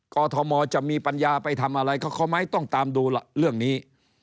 อทมจะมีปัญญาไปทำอะไรกับเขาไหมต้องตามดูเรื่องนี้